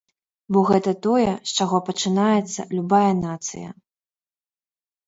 Бо гэта тое, з чаго пачынаецца любая нацыя.